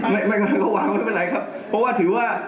ไม่ต้องนะครับเพราะว่าถือว่า